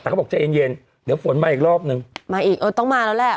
แต่เขาบอกใจเย็นเย็นเดี๋ยวฝนมาอีกรอบนึงมาอีกเออต้องมาแล้วแหละ